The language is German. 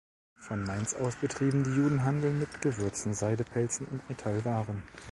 Von Mainz aus betrieben die Juden Handel mit Gewürzen, Seide, Pelzen und Metallwaren.